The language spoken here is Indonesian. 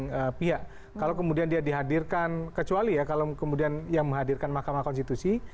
tapi ya kalau kemudian dia dihadirkan kecuali ya kalau kemudian dia menghadirkan mahkamah konstitusi